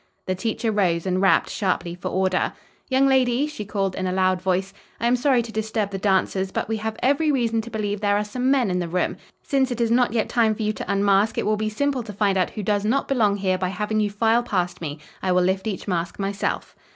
The teacher rose and rapped sharply for order. "Young ladies," she called in a loud voice, "I am sorry to disturb the dancers, but we have every reason to believe there are some men in the room. Since it is not yet time for you to unmask, it will be simple to find out who does not belong here by having you file past me. I will lift each mask myself."